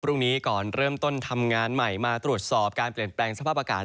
พรุ่งนี้ก่อนเริ่มต้นทำงานใหม่มาตรวจสอบการเปลี่ยนแปลงสภาพอากาศ